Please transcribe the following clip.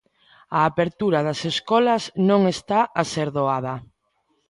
A apertura das escolas non está a ser doada.